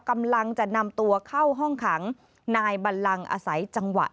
กำลังจะนำตัวเข้าห้องขังนายบัลลังอาศัยจังหวะ